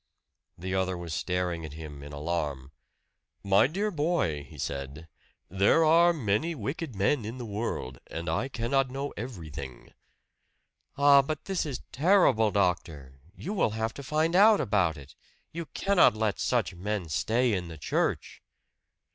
The other was staring at him in alarm. "My dear boy," he said, "there are many wicked men in the world, and I cannot know everything." "Ah, but this is terrible, doctor! You will have to find out about it you cannot let such men stay in the church."